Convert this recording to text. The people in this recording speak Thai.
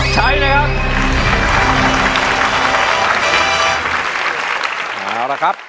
ใช้นะครับ